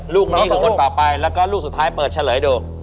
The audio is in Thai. ลูกนี้คือคนต่อไปแล้วก็ลูกสุดท้ายเปิดเฉลยดู